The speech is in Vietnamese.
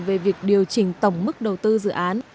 về việc điều chỉnh tổng mức đầu tư dự án